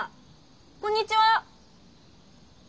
こんにちは。